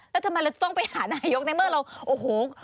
แล้วทำไมต้องไปหานายกในเมื่อเราโอ้โห